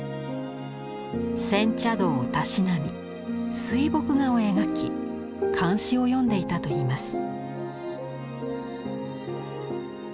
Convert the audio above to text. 煎茶道をたしなみ水墨画を描き漢詩を読んでいたといいます。